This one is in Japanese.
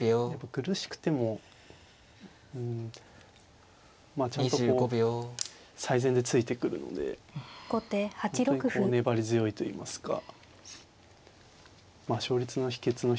苦しくてもまあちゃんとこう最善でついてくるので本当にこう粘り強いといいますかまあ勝率の秘けつの一つですよね